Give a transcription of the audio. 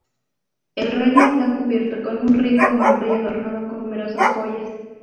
El rey está cubierto con un rico manto y adornado con numerosas joyas.